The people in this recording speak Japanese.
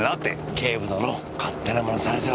警部殿勝手な真似されては。